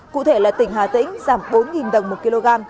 cụ thể là tỉnh hà tĩnh giảm bốn đồng một kg